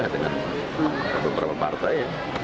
dengan beberapa partai